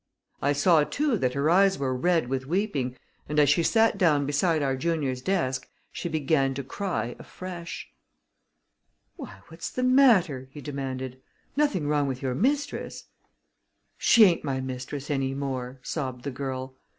I saw, too, that her eyes were red with weeping, and as she sat down beside our junior's desk she began to cry afresh. "Why, what's the matter?" he demanded. "Nothing wrong with your mistress?" "She aint my mistress any more," sobbed the girl.